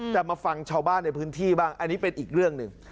แต่มาฟังชาวบ้านในพื้นที่บ้างอันนี้เป็นอีกเรื่องหนึ่ง